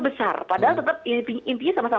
jadi itu adalah hal yang harus kita lakukan